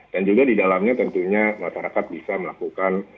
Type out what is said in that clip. dan juga di dalamnya tentunya masyarakat bisa melakukan